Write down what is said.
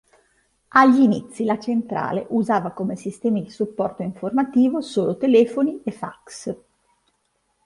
Agli inizi la Centrale usava come sistemi di supporto informativo solo telefoni e fax.